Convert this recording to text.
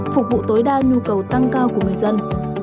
phục vụ tối đa nhu cầu tăng cao của người dân